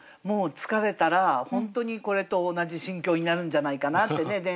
もう疲れたら本当にこれと同じ心境になるんじゃないかなってね。